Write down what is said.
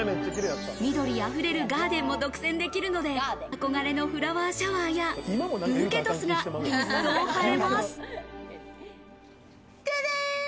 緑あふれるガーデンも独占できるので、憧れのフラワーシャワーや、ブーケトスが一層映えます。